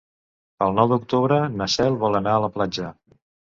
El nou d'octubre na Cel vol anar a la platja.